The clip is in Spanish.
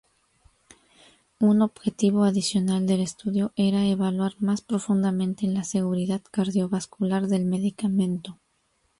Un objetivo adicional del estudio era evaluar más profundamente la seguridad cardiovascular del medicamento.